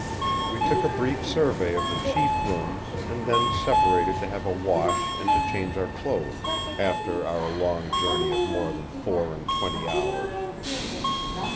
We took a brief survey of the chief rooms and then separated to have a wash and to change our clothes after our long journey of more than four and twenty hours.